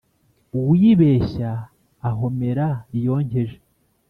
Uwibeshya ahomera iyonkeje.